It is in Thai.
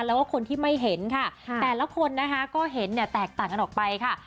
แล้วก็คนที่ไม่เห็นค่ะแต่ละคนนะคะก็เห็นเนี่ยแตกต่างกันออกไปค่ะ